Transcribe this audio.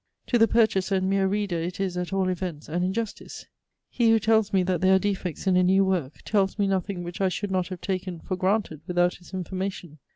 To the purchaser and mere reader it is, at all events, an injustice. He who tells me that there are defects in a new work, tells me nothing which I should not have taken for granted without his information.